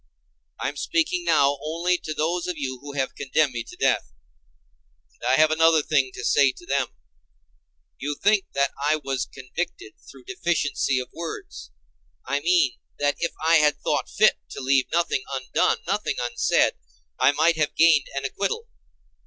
I am speaking now only to those of you who have condemned me to death. And I have another thing to say to them: You think that I was convicted through deficiency of words—I mean, that if I had thought fit to leave nothing undone, nothing unsaid, I might have gained an acquittal.